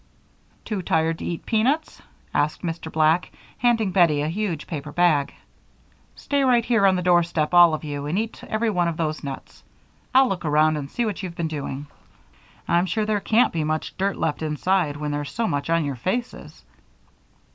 "Too tired to eat peanuts?" asked Mr. Black, handing Bettie a huge paper bag. "Stay right here on the doorstep, all of you, and eat every one of these nuts. I'll look around and see what you've been doing I'm sure there can't be much dirt left inside when there's so much on your faces."